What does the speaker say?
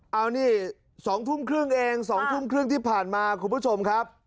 เอานี่๒ทุ่มครึ่งเอง๒ทุ่มครึ่งที่ผ่านมาคุณผู้ชมครับ